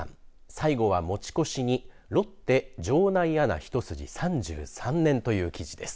最後は持ち越しにロッテ場内アナひと筋３３年という記事です。